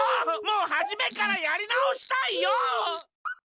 もうはじめからやりなおしたいよ！